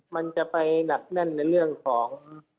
มันจะไปหนักแน่นในเรื่องของ